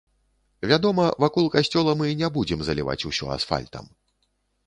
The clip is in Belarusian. Вядома, вакол касцёла мы не будзем заліваць усё асфальтам.